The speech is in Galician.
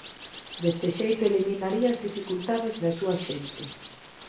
Deste xeito eliminaría as dificultades da súa xente.